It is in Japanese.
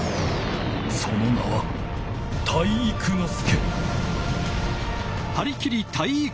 その名は体育ノ介！